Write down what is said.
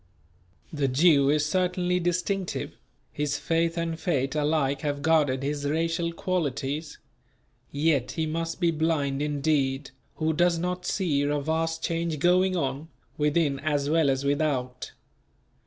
The Jew is certainly distinctive; his faith and fate alike have guarded his racial qualities; yet he must be blind indeed, who does not see a vast change going on, within as well as without.